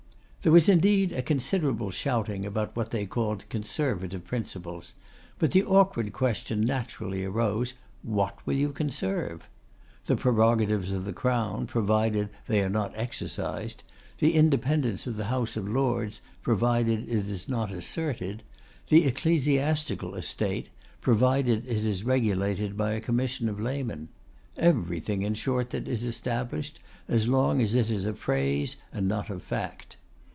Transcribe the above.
There was indeed a considerable shouting about what they called Conservative principles; but the awkward question naturally arose, what will you conserve? The prerogatives of the Crown, provided they are not exercised; the independence of the House of Lords, provided it is not asserted; the Ecclesiastical estate, provided it is regulated by a commission of laymen. Everything, in short, that is established, as long as it is a phrase and not a fact.